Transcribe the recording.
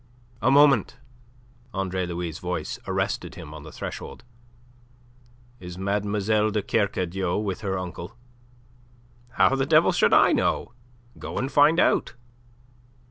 "A moment!" Andre Louis' voice arrested him on the threshold. "Is Mlle. de Kercadiou with her uncle?" "How the devil should I know? Go and find out."